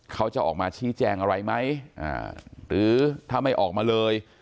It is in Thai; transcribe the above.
เขาจะออกมาชี้แจงอะไรไหมหรือถ้าไม่ออกมาเลย